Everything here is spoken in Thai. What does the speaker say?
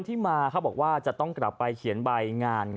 ที่มาเขาบอกว่าจะต้องกลับไปเขียนใบงาน